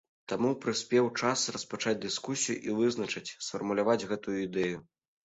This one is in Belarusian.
Таму прыспеў час распачаць дыскусію і вызначыць, сфармуляваць гэтую ідэю.